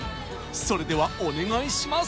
それでは、お願いします！